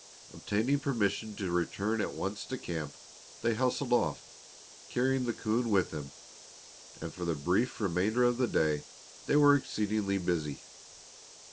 Obtaining permission to return at once to camp, they hustled off, carrying the coon with them, and for the brief remainder of the day they were exceedingly busy.